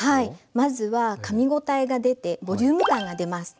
まずはかみごたえが出てボリューム感が出ます。